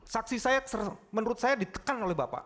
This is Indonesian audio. saksi saya menurut saya ditekan oleh bapak